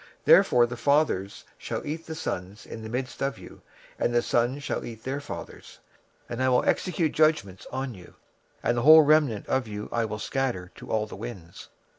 26:005:010 Therefore the fathers shall eat the sons in the midst of thee, and the sons shall eat their fathers; and I will execute judgments in thee, and the whole remnant of thee will I scatter into all the winds.